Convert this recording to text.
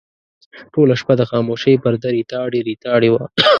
ټوله شپه د خاموشۍ پرده ریتاړې ریتاړې وه.